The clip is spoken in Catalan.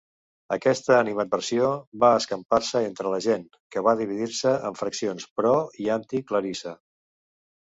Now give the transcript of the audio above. Aquesta animadversió va escampar-se entre la gent, que va dividir-se en faccions pro- i anti-Clarissa.